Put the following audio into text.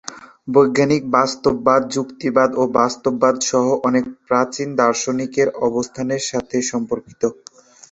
বৈজ্ঞানিক বাস্তববাদ যুক্তিবাদ ও বাস্তববাদ সহ অনেক প্রাচীন দার্শনিক অবস্থানের সাথে সম্পর্কিত।